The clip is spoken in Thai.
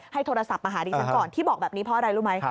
โทรศัพท์มาหาดิฉันก่อนที่บอกแบบนี้เพราะอะไรรู้ไหม